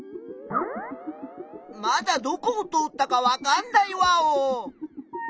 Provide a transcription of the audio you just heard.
まだどこを通ったかわかんないワオ！